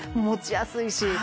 持ちやすいし。